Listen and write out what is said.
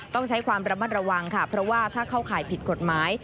ต้องใช้ความระมัดระวังค่ะเพราะว่าถ้าเข้าข่ายผิดกฎหมาย